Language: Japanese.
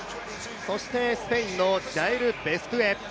そしてスペインのジャエル・ベストゥエ。